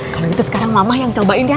kalau gitu sekarang mamah yang cobain ya